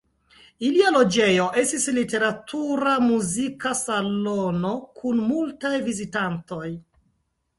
Ilia loĝejo estis literatura-muzika salono kun multaj vizitantoj.